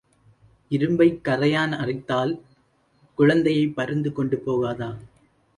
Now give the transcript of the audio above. இரும்பைக் கறையான் அரித்தால் குழந்தையைப் பருந்து கொண்டு போகாதா?